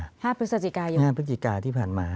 ๕พฤศจิกายุ่ง๕พฤศจิกายุ่ง๕พฤศจิกายุ่งที่ผ่านมา